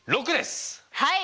はい！